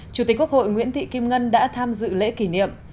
chủ tịch quốc hội nguyễn thị kim ngân đã tham dự lễ kỷ niệm